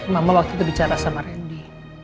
mama waktu itu bicara sama randy